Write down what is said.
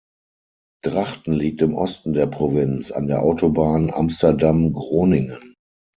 Drachten liegt im Osten der Provinz, an der Autobahn Amsterdam–Groningen.